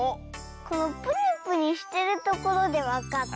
このプニプニしてるところでわかった。